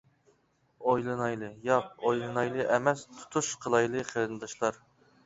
ئويلىنايلى، ياق ئويلىنايلى ئەمەس، تۇتۇش قىلايلى قېرىنداشلار.